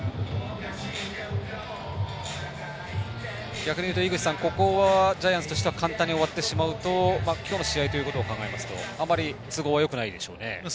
逆に言うと、ここはジャイアンツとしては簡単に終わってしまうと今日の試合ということを考えますと都合がよくないですよね。